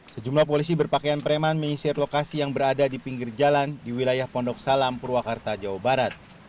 sejumlah polisi berpakaian preman mengisir lokasi yang berada di pinggir jalan di wilayah pondok salam purwakarta jawa barat